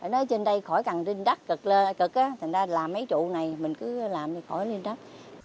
nó trên đây khỏi cần lên đất cực thành ra làm mấy trụ này mình cứ làm thì khỏi lên đất